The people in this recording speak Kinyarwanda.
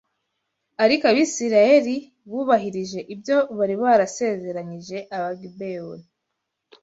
Ariko Abisirayeli bubahirije ibyo bari barasezeranyije Abagibeyoni